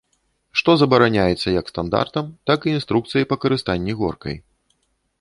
Што забараняецца, як стандартам, так і інструкцыяй па карыстанні горкай.